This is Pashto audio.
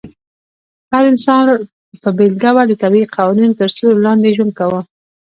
هر انسان په بېل ډول د طبيعي قوانينو تر سيوري لاندي ژوند کاوه